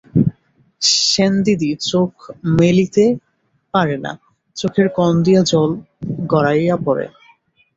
সেনদিদি চোখ মেলিতে পারে না, চোখের কোণ দিয়া জল গড়াইয়া পড়ে।